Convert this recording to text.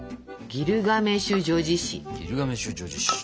「ギルガメシュ叙事詩」。